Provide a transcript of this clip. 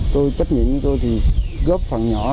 tôi trách nhiệm tôi thì góp phần nhỏ